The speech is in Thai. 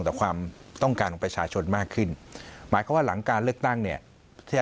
ต่อความต้องการของประชาชนมากขึ้นหมายความว่าหลังการเลือกตั้งเนี่ยที่จะ